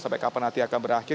sampai kapan nanti akan berakhir